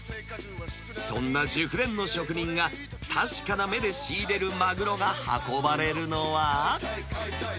そんな熟練の職人が、確かな目で仕入れるマグロが運ばれるのは。